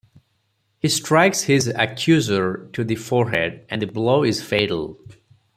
He strikes his accuser to the forehead, and the blow is fatal.